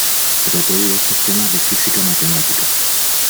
Trató diversos temas de física matemática.